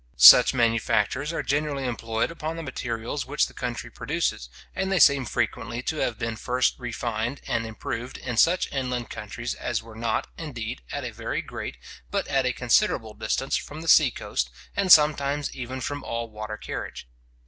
Such manufactures are generally employed upon the materials which the country produces, and they seem frequently to have been first refined and improved in such inland countries as were not, indeed, at a very great, but at a considerable distance from the sea coast, and sometimes even from all water carriage.